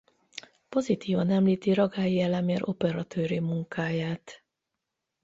Pozitívan említi Ragályi Elemér operatőri munkáját.